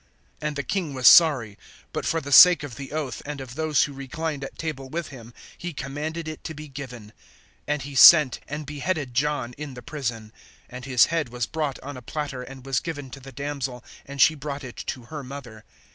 (9)And the king was sorry; but for the sake of the oath, and of those who reclined at table with him, he commanded it to be given. (10)And he sent, and beheaded John in the prison. (11)And his head was brought on a platter, and was given to the damsel, and she brought it to her mother.